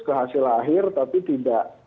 ke hasil akhir tapi tidak